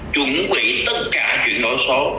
chuẩn bị tất cả chuyển đổi số